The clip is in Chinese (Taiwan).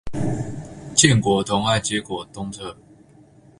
建國同愛街口東側